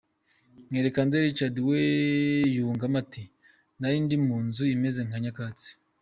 Mwerekande Richard we yungamo ati “Nari ndi munzu imeze nka Nyakatsi.